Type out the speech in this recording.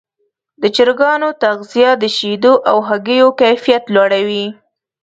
د چرګانو تغذیه د شیدو او هګیو کیفیت لوړوي.